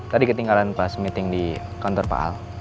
tadi ketinggalan pas meeting di kantor paal